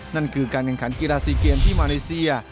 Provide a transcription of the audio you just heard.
นั่นคือการแข่งขันกีฬาซีเกมที่มาเลเซีย